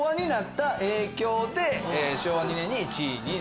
昭和２年に１位に。